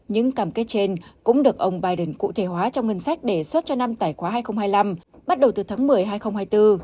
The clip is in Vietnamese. những cam kết trên cũng được ông biden cụ thể hóa trong ngân sách đề xuất cho năm tài khoá hai nghìn hai mươi năm bắt đầu từ tháng một mươi hai nghìn hai mươi bốn